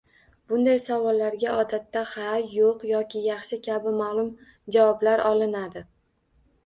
Bunday savollarga odatda “ha”, “yo‘q” yoki “yaxshi” kabi maʼlum javoblar olinadi.